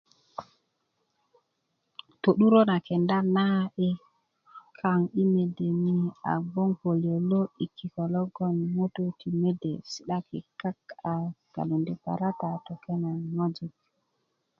to'durä na kendá na i kaŋ i mede ni a gboŋ ko yälä i koko logoŋ ŋutú ti mede sidaki kak a galundi parata na todinänikin ŋojik